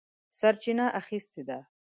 سرچینه اخیستې ده.